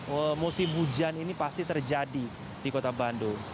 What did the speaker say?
bahwa musim hujan ini pasti terjadi di kota bandung